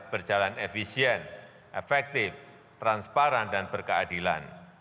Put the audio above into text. berjalan efisien efektif transparan dan berkeadilan